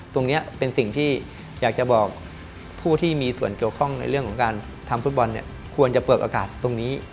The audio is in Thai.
ตรงนี้เป็นสิ่งที่อยากจะบอกผู้ที่มีส่วนเกี่ยวข้องในเรื่องของการทำฟุตบอลเนี่ยควรจะเปิดโอกาสตรงนี้